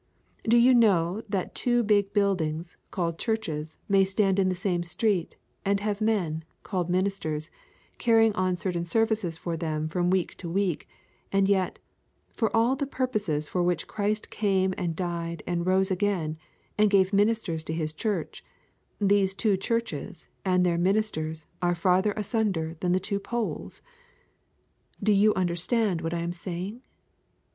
Do you know that two big buildings, called churches, may stand in the same street, and have men, called ministers, carrying on certain services in them from week to week, and yet, for all the purposes for which Christ came and died and rose again and gave ministers to His church, these two churches and their ministers are farther asunder than the two poles? Do you understand what I am saying?